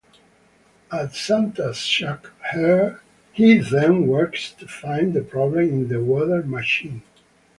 At Santa's shack, he then works to find the problem in the weather machine.